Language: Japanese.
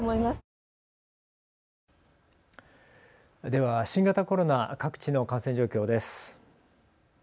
では、新型コロナ各地の感染状況です。